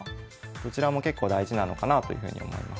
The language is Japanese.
どちらも結構大事なのかなあというふうに思います。